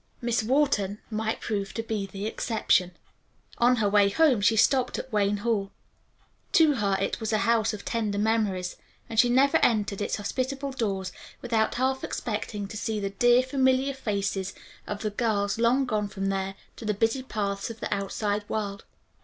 Miss Wharton might prove to be the exception. On her way home she stopped at Wayne Hall. To her it was a house of tender memories, and she never entered its hospitable doors without half expecting to see the dear, familiar faces of the girls long gone from there to the busy paths of the outside world.